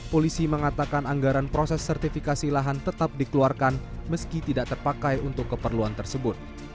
polisi mengatakan anggaran proses sertifikasi lahan tetap dikeluarkan meski tidak terpakai untuk keperluan tersebut